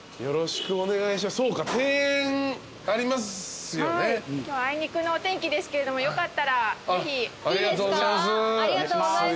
よろしくお願いします。